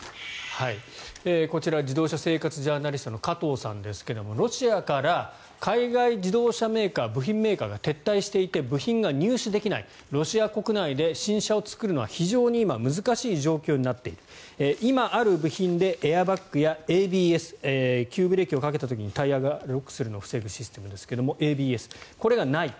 こちら自動車生活ジャーナリストの加藤さんですがロシアから海外自動車メーカー部品メーカーが撤退していて部品が入手できないロシア国内で新車を作るのは非常に今難しい状況になっている今ある部品でエアバッグやＡＢＳ急ブレーキをかけた時にタイヤがロックするのを防ぐシステムですが、ＡＢＳこれがない。